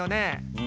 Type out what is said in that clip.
うん。